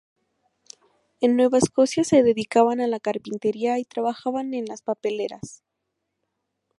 En Nueva Escocia se dedicaban a la carpintería y trabajaban en las papeleras.